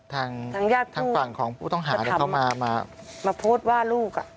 ทางฝั่งของผู้ต้องหาแล้วเขามามาโพสต์ว่าลูก